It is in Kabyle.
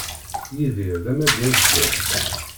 Yidir d amaggad kan.